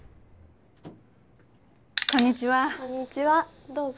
こんにちはー